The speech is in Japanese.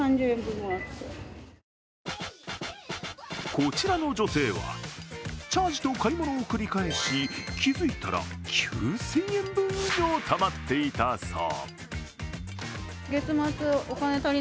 こちらの女性は、チャージと買い物を繰り返し気づいたら９０００円分以上たまっていたそう。